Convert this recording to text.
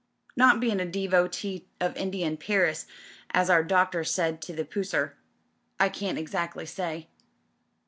"Not bein' a devotee of Indian peeris, as our Doctor said to the Pusser, I can't exactly say.